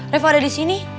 refa ada disini